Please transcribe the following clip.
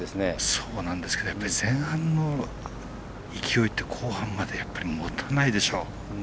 そうですけど前半の勢いって後半までやっぱり持たないでしょ。